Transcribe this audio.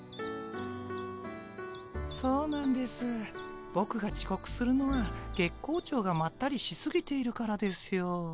そうなんですボクがちこくするのは月光町がまったりしすぎているからですよ。